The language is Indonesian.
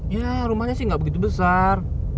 ya rumahnya sih nggak begitu besar